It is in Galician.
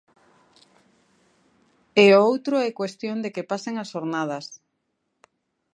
E o outro é cuestión de que pasen as xornadas.